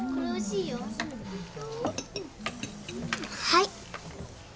はい。